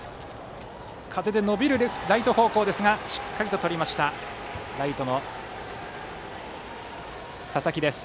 風で伸びるライト方向でしたがしっかりととったライトの笹木です。